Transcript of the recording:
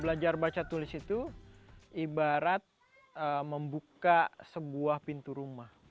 belajar baca tulis itu ibarat membuka sebuah pintu rumah